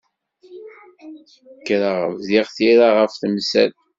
Kkreɣ bdiɣ tira ɣef temsalt.